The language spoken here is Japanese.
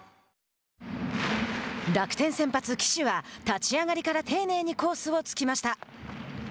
楽天先発・岸は立ち上がりから丁寧にコースを突きました。